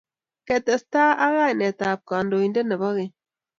kitestai ak kainetab kandoidet nebogeny.